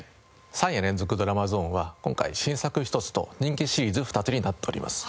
３夜連続ドラマゾーンは今回新作１つと人気シリーズ２つになっております。